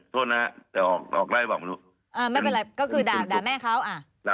โทษนะแต่ออกได้บอกมนุษย์อ่าไม่เป็นไรก็คือด่าด่าแม่เขาอ่า